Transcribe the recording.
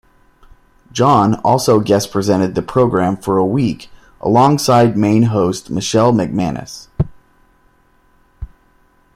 John also guest presented the programme for a week alongside main host Michelle McManus.